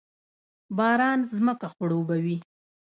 باران ځمکه خړوبوي